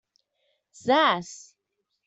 Zas!